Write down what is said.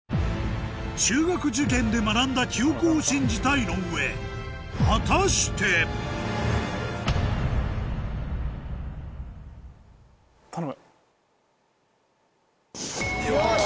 中学受験で学んだ記憶を信じた井上果たして⁉よし！